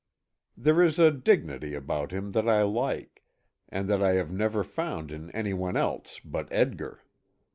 There is a dignity about him that I like, and that I have never found in anyone else but Edgar.